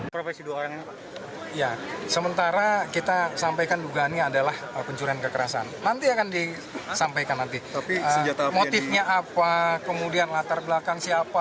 polisi mencari penyanderaan di pondok indah jakarta selatan